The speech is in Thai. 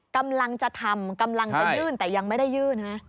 กำลังจะทำกำลังจะยื่นแต่ยังไม่ได้ยื่นนะ